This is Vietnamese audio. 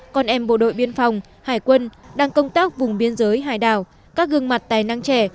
con em bộ đội biên phòng hải quân đang công tác vùng biên giới hải đảo các gương mặt tài năng trẻ